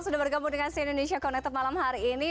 sudah bergabung dengan si indonesia connected malam hari ini